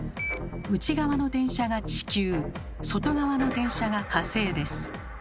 内側の電車が地球外側の電車が火星です。